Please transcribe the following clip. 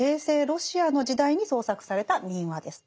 ロシアの時代に創作された「民話」です。